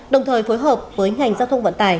đồng thời phối hợp với ngành giao thông vận tải